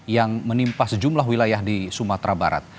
yang menimpa sejumlah wilayah di sumatera barat